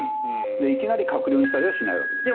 いきなり閣僚にしたりしないわけです。